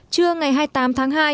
trưa ngày hai mươi tám tháng hai